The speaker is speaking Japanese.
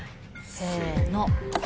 せの。